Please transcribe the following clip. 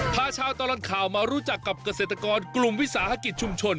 พาชาวตลอดข่าวมารู้จักกับเกษตรกรกลุ่มวิสาหกิจชุมชน